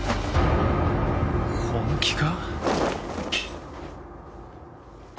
本気か？